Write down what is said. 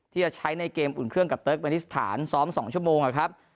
ที่จะใช้ในเกมอุ่นเครื่องกับเติร์กเมนิสถานซ้อม๒ชั่วโมงนะครับ